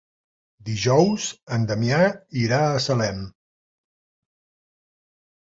Dijous en Damià irà a Salem.